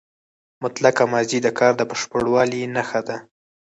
مطلقه ماضي د کار د بشپړوالي نخښه ده.